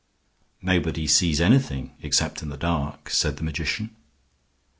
"Nobody sees anything except in the dark," said the magician.